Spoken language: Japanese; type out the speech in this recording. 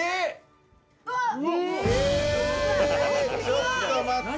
ちょっと待って。